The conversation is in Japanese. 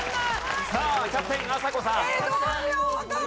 さあキャプテンあさこさん。